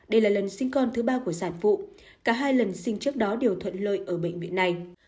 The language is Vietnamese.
đây là lần sinh con thứ ba của sản phụ cả hai lần sinh trước đó đều thuận lợi ở bệnh viện này